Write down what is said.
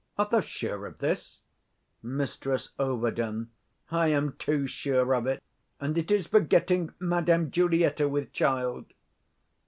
Art thou sure of this? Mrs Ov. I am too sure of it: and it is for getting Madam Julietta with child.